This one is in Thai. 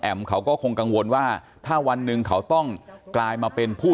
เขาก็คงกังวลว่าถ้าวันหนึ่งเขาต้องกลายมาเป็นผู้